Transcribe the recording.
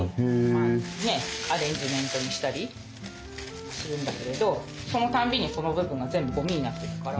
まあねえアレンジメントにしたりするんだけれどそのたんびにこの部分が全部ごみになってくから。